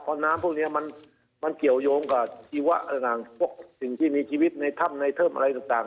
เพราะน้ำพวกนี้มันเกี่ยวยงกับชีวิตในถ้ำในเทิมอะไรต่าง